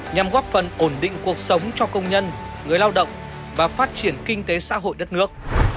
nhằm góp phần ổn định cuộc sống cho công nhân người lao động và phát triển kinh tế xã hội đất nước